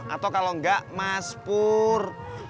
atau kalau enggak mas pur